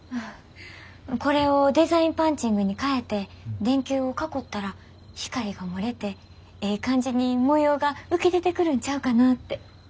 これをデザインパンチングに変えて電球を囲ったら光が漏れてええ感じに模様が浮き出てくるんちゃうかなって。